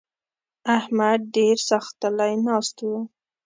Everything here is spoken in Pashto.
احمد ډېر ساختلی ناست وو.